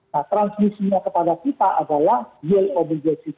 nah transmisinya kepada kita adalah yield obligasi kita